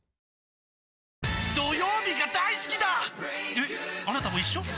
えっあなたも一緒？